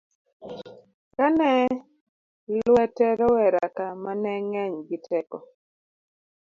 kane lwete rowera ka mane ng'eny gi teko